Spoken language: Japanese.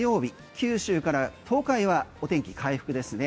九州から東海はお天気回復ですね。